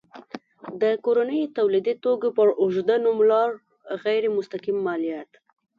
د کورنیو تولیدي توکو پر اوږده نوملړ غیر مستقیم مالیات.